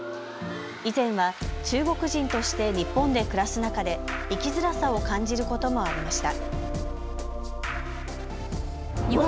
以前は中国人として日本で暮らす中で生きづらさを感じることもありました。